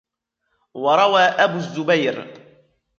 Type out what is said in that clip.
وَرَوَى أَبُو الزُّبَيْرِ